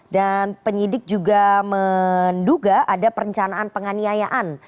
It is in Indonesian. dan penyidik juga menduga ada perencanaan penganiayaan